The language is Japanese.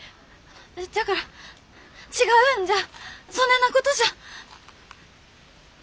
あのじゃから違うんじゃそねえなことじゃ。